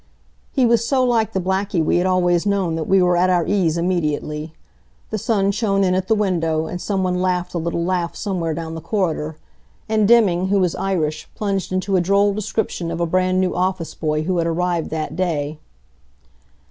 He was so like the Blackie we had always known that we were at our ease immediately. The sun shone in at the window, and some one laughed a little laugh somewhere down the corridor, and Deming, who is Irish, plunged into a droll description of a brand new office boy who had arrived that day.